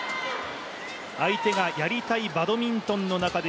相手がやりたいバドミントンの中で